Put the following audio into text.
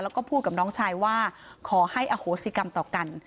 แล้วก็พูดกับน้องชายว่าขอให้อโหสิกรรมต่อกัน